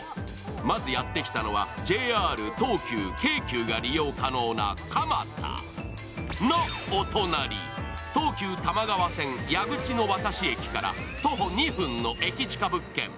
まずやってきたのはＪＲ、東急、京急が利用可能な蒲田のお隣、東急多摩川線・矢口渡駅から徒歩２分の駅近物件。